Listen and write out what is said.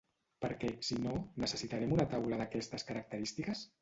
Per què, si no, necessitarem una taula d’aquestes característiques?